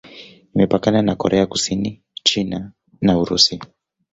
Imepakana na Korea Kusini, China na Urusi.